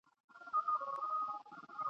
راډیو د خبرونو چټکه وسیله ده.